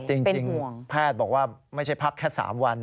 จริงแพทย์บอกว่าไม่ใช่พักแค่๓วัน